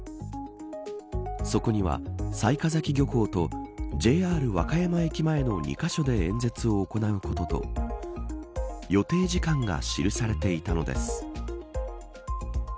そこには、雑賀崎漁港とＪＲ和歌山駅前の２カ所で演説を行うことと予定時間が記されていたのです。